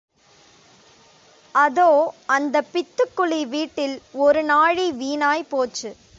அதோ அந்தப் பித்துக்குளி வீட்டில் ஒரு நாழி வீணாய் போய்ச்சு.